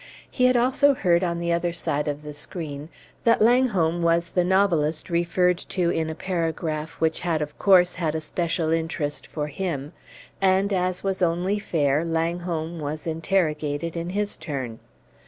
He had also heard on the other side of the screen, that Langholm was the novelist referred to in a paragraph which had of course had a special interest for him; and, as was only fair, Langholm was interrogated in his turn.